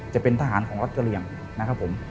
จะเป็นทหารของรัฐเกรียมนะครับผม